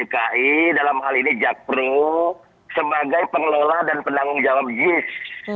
dki dalam hal ini jakpro sebagai pengelola dan penanggung jawab jis